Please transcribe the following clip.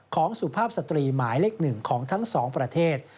ของสุภาพสตรีหมายเล็กหนึ่งของทั้งสองประเทศ